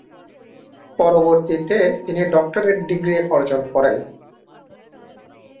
পরবর্তীতে তিনি doctorate degree অর্জন করেন।